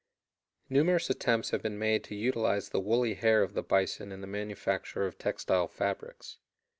_ Numerous attempts have been made to utilize the woolly hair of the bison in the manufacture of textile fabrics.